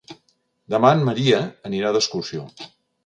Demà en Maria anirà d'excursió.